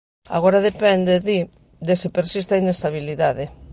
Agora depende, di, de se persiste a inestabilidade.